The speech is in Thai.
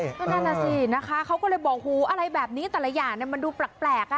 ก็นั่นแหละสินะคะเขาก็เลยบอกหูอะไรแบบนี้แต่ละอย่างมันดูแปลก